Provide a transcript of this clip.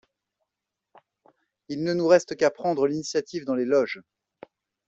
Il ne nous reste qu'à prendre l'initiative dans les Loges.